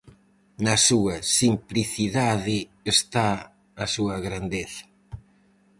Na súa simplicidade está a súa grandeza.